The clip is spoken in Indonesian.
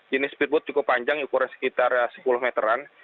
jenis speedboat cukup panjang ukuran sekitar sepuluh meteran